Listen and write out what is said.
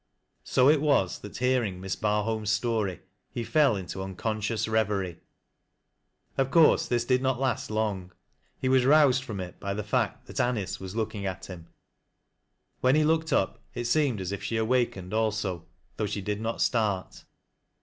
So it was that hearing Miss Barholm's story he fell intc unconscious reverie. Of course this did not last long. Ee was roused from it by the fact that Anice was lookiiij; at him. When he looked up, it seemed as if she awakened also, though she did not start.